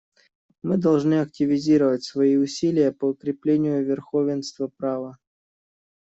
Мы должны активизировать свои усилия по укреплению верховенства права.